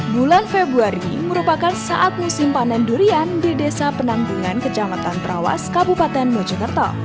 bulan februari merupakan saat musim panen durian di desa penanggungan kecamatan trawas kabupaten mojokerto